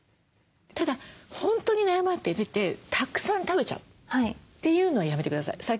ただ本当に悩まれててたくさん食べちゃうというのはやめて下さい。